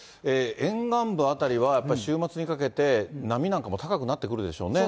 沿岸部辺りは、やっぱり週末にかけて、波なんかも高くなってくるでしょうね。